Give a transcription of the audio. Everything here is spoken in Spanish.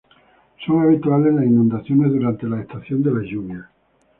Son habituales las inundaciones durante la estación de lluvias.